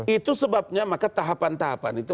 itu sebabnya maka tahapan tahapan itu